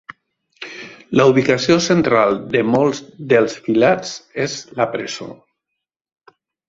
La ubicació central de molts dels filats és la presó.